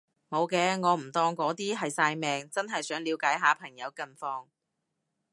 無嘅，我唔當嗰啲係曬命，真係想了解下朋友近況